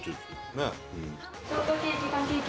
ねえ。